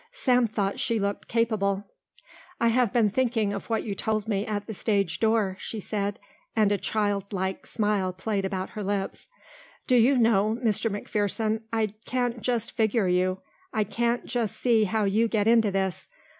Sam thought she looked capable. "I have been thinking of what you told me at the stage door," she said, and a childlike smile played about her lips. "Do you know, Mr. McPherson, I can't just figure you. I can't just see how you get into this.